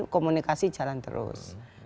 komunikasi jalan terus